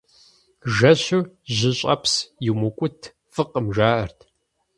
Жэщу жьыщӀэпс иумыкӀут, фӀыкъым, жаӀэрт.